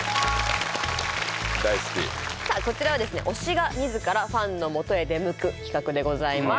大好きさあこちらはですね推しが自らファンのもとへ出向く企画でございます